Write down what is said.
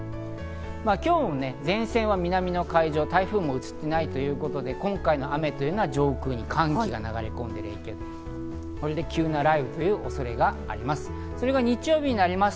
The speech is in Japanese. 今日も前線は南の海上、台風も移っていないということで今回の雨は上空に寒気が流れ込んでいる影響、これで急な雷雨の恐れがあります。